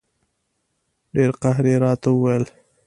ډېر قهر یې راته وویل.